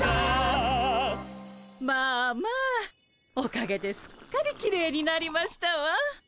まあまあおかげですっかりきれいになりましたわ。